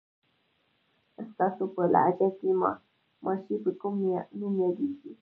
ستاسو په لهجه کې ماشې په کوم نوم یادېږي؟